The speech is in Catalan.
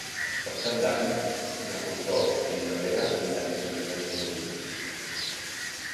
Per Cap d'Any na Rosó i na Lea aniran a Sant Llorenç de Morunys.